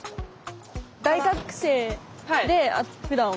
大学生でふだん？